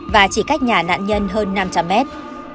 và chỉ cách nhà nạn nhân hơn năm trăm linh mét